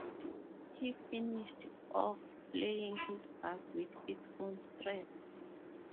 He finished off playing his bass with its own strap.